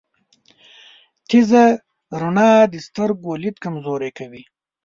تیزه رڼا د سترګو لید کمزوری کوی.